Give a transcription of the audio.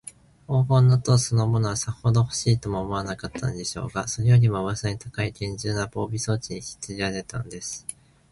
黄金の塔そのものは、さほどほしいとも思わなかったでしょうが、それよりも、うわさに高いげんじゅうな防備装置にひきつけられたのです。